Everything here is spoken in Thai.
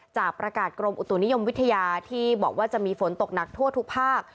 จากประกาศกรมอุตุนิยมวิทยาที่บอกว่าจะมีฝนตกหนักทั่วทุกภาค